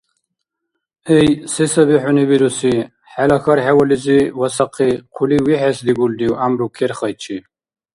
Эй, се саби хӀуни буруси?! ХӀела хьар хӀевализи васахъи, хъулив вихӀес дигулрив гӀямру керхайчи?